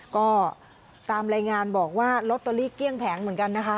ก็ตามรายงานบอกว่าลอตเตอรี่เกลี้ยงแผงเหมือนกันนะคะ